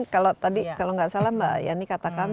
kalau tadi kalau enggak salah mbak ya ini katakan